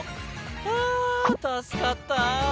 あー、助かった。